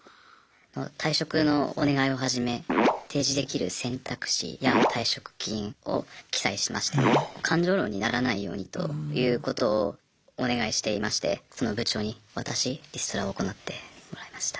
退職のお願いをはじめ提示できる選択肢や退職金を記載しまして感情論にならないようにということをお願いしていましてその部長に渡しリストラを行ってもらいました。